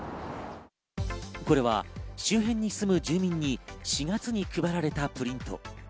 これは周辺に住む住民に４月に配られたプリント。